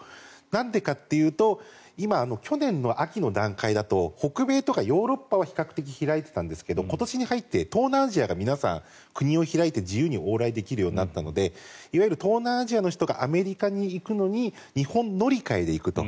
なんでかというと今、去年の秋の段階だと北米とかヨーロッパは比較的開いていたんですが今年に入って東南アジアが皆さん国を開いて自由に往来できるようになったので東南アジアの人がアメリカに行くのに日本乗り換えで行くと。